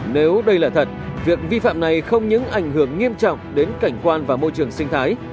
nếu đây là thật việc vi phạm này không những ảnh hưởng nghiêm trọng đến cảnh quan và môi trường sinh thái